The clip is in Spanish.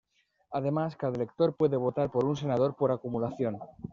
Además, cada elector puede votar por un "Senador por Acumulación".